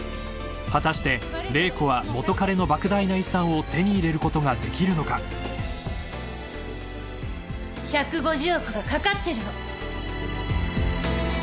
［果たして麗子は元カレの莫大な遺産を手に入れることができるのか］１５０億がかかってるの。